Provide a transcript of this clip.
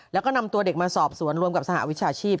แล้วก็นำตัวเด็กมาสอบสวนรวมกับสหวิชาชีพ